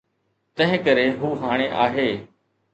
تنهنڪري هو هاڻي آهي.